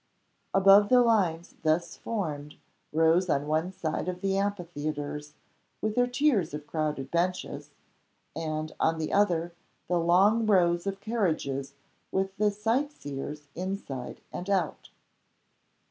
Above the lines thus formed rose on one side the amphitheatres with their tiers of crowded benches, and on the other the long rows of carriages with the sight seers inside and out.